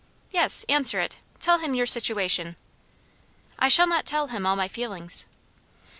"Yes, answer it. Tell him your situation." "I shall not tell him all my feelings."